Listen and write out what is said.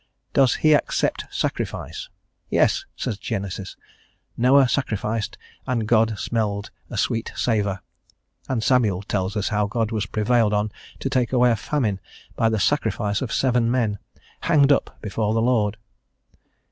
Does He accept sacrifice? "Yes," says Genesis: "Noah sacrificed and God smelled a sweet savour;" and Samuel tells us how God was prevailed on to take away a famine by the sacrifice of seven men, hanged up before the Lord.